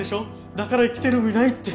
だから生きてる意味ないって。